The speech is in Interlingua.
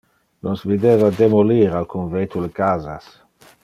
Nos videva demolir alcun vetule casas.